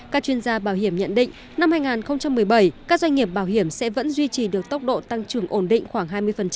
các chuyên gia bảo hiểm nhận định năm hai nghìn một mươi bảy các doanh nghiệp bảo hiểm sẽ vẫn duy trì được tốc độ tăng trưởng ổn định khoảng hai mươi